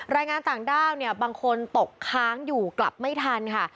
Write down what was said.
แรงงานต่างด้าวเนี่ยบางคนตกค้างอยู่กลับไม่ทันค่ะ